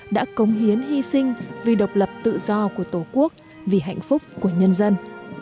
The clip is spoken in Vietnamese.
đã cống hiến hy sinh vì độc lập tự do của tổ quốc vì hạnh phúc của nhân dân